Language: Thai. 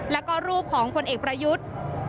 แล้วก็รูปของผลเอกประยุทธ์